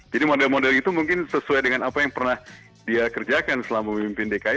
jadi model model itu mungkin sesuai dengan apa yang pernah dia kerjakan selama memimpin dki